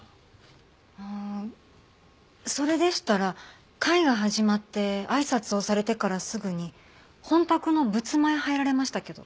ああそれでしたら会が始まって挨拶をされてからすぐに本宅の仏間へ入られましたけど。